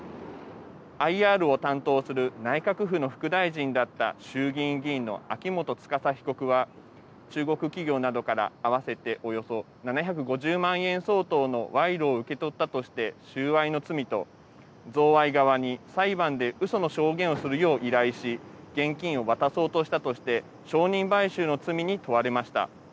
ＩＲを担当する内閣府の副大臣だった衆議院議員の秋元司被告は中国企業などから合わせておよそ７５０万円相当の賄賂を受け取ったとして収賄の罪と、贈賄側に裁判でうその証言をするよう依頼し現金を渡そうとしたとして証人買収の罪に問われました。